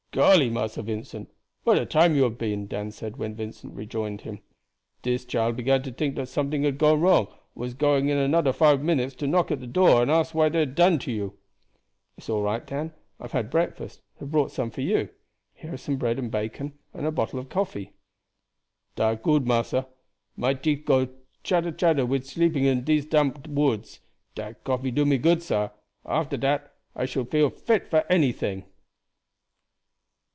"Golly, Massa Vincent, what a time you hab been!" Dan said when Vincent rejoined him. "Dis child began to tink dat somefing had gone wrong, and was going in anoder five minutes to knock at do door to ask what dey had done to you." "It is all right, Dan, I have had breakfast, and have brought some for you; here is some bread and bacon and a bottle of coffee." "Dat good, massa; my teeth go chatter chatter wid sleeping in dese damp woods; dat coffee do me good, sah. After dat I shall feel fit for anyting."